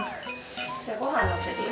じゃあごはんのせるよ。